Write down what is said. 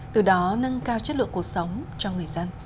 từ đó nâng cao chất lượng cuộc sống